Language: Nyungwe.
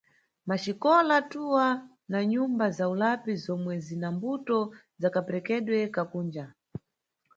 Maxikola twa na Nyumba za ulapi zomwe zina mbuto za kaperekedwe ka Kunja.